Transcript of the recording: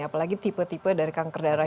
apalagi tipe tipe dari kanker darah